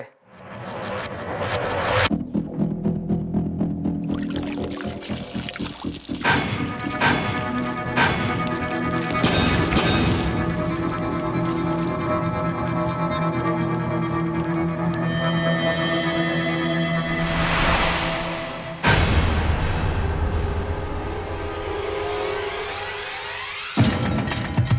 โไดย